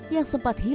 yang sempat hidupnya